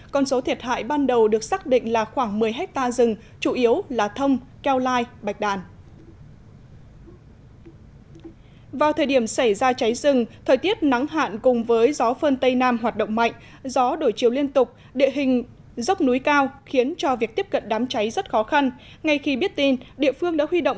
con số thiệt hại ban đầu được xác định là khoảng một mươi hectare rừng chủ yếu là thông keo lai bạch đàn